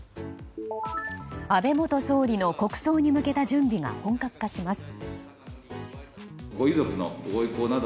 安倍元総理の国葬に向けた準備が本格化します。